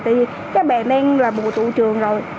tại vì các bạn đang là bộ tụ trường rồi